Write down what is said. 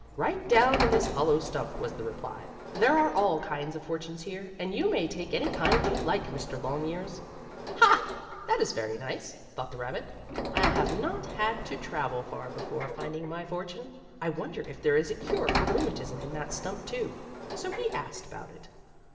"Right down in this hollow stump," was the reply. "There are all kinds of fortunes here, and you may take any kind you like Mr. Longears." "Ha! That is very nice," thought the rabbit. "I have not had to travel far before finding my fortune. I wonder if there is a cure for rheumatism in that stump, too?" So he asked about it.